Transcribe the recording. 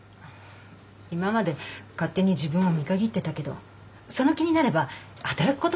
今まで勝手に自分を見限ってたけどその気になれば働くことだってできると思う。